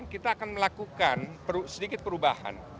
kita akan melakukan sedikit perubahan